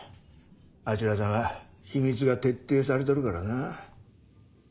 あちらさんは秘密が徹底されとるからな。